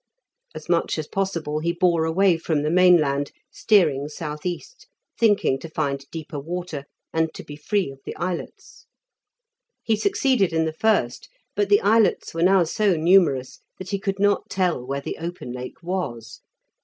As much as possible he bore away from the mainland, steering south east, thinking to find deeper water, and to be free of the islets. He succeeded in the first, but the islets were now so numerous that he could not tell where the open Lake was.